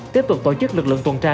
tiếp tục tổ chức lực lượng tuần tra